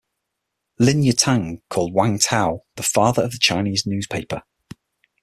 Lin Yutang called Wang Tao the 'Father of the Chinese Newspaper'.